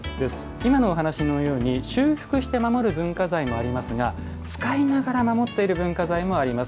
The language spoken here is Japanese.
今のお話のように修復して守る文化財もありますが使いながら守っている文化財もあります。